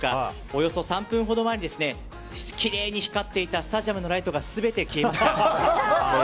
およそ３分ほど前にきれいに光っていたスタジアムのライトが全て消えました。